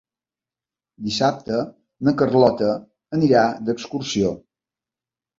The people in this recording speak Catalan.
Dissabte na Carlota anirà d'excursió.